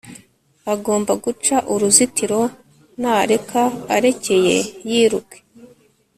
agomba guca uruzitiro na reka areke yiruke